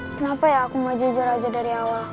kenapa ya aku gak jajar aja dari awal